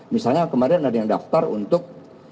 misalnya kemarin ada yang daftar untuk